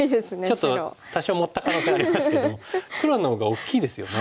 ちょっと多少盛った可能性ありますけども黒のほうが大きいですよね。